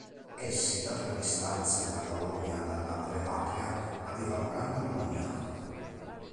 Essi, data la distanza della colonia dalla madrepatria, avevano grande autonomia.